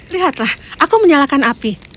lihatlah aku menyalakan api